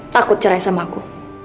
takut cerai sama aku